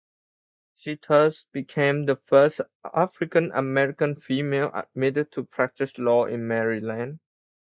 She thus became the first African American female admitted to practice law in Maryland.